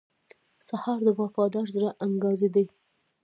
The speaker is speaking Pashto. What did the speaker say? سهار د وفادار زړه انګازې دي.